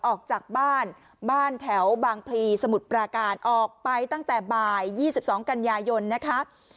ออกจากบ้านบ้านแถวบางพลีสมุทรปราการออกไปตั้งแต่บ่าย๒๒กันยายนนะคะ